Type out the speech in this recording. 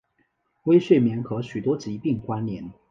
微睡眠和许多疾病关联。